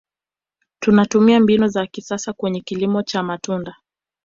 tunatumia mbinu za kisasa kwenye kilimo cha matunda